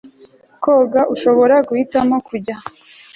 koga ushobora guhitamo kujya